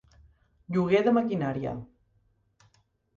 Lloguer de maquinària.